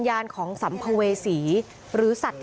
อาการชัดเลยนะคะหมอปลา